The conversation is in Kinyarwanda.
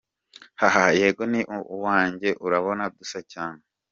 Hahaha yego ni uwanjye, urabona dusa cyane?.